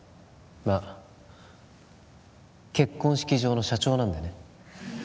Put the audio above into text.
まあ結婚式場の社長なんでね